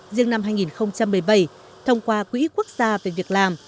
riêng năm hai nghìn một mươi bảy thông qua quỹ quốc gia về việc làm